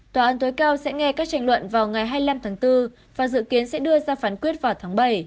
tòa án tối cao sẽ nghe các tranh luận vào ngày hai mươi năm tháng bốn và dự kiến sẽ đưa ra phán quyết vào tháng bảy